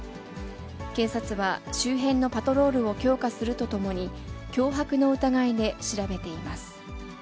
警察は、周辺のパトロールを強化するとともに、脅迫の疑いで調べ